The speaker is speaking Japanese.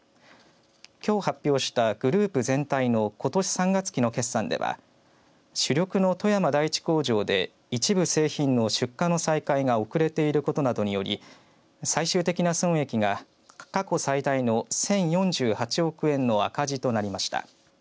きょう発表したグループ全体のことし３月期の決算では主力の富山第一工場で一部製品の出荷の再開が遅れていることなどにより最終的な損益が過去最大の１０４８億円の赤字となりました。